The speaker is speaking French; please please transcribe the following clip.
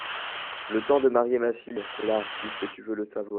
Le temps de marier ma fille… là… puisque tu veux le savoir.